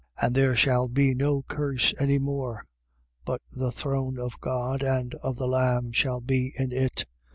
22:3. And there shall be no curse any more: but the throne of God and of the Lamb shall be in it.